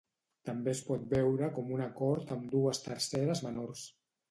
També es pot veure com un acord amb dues terceres menors.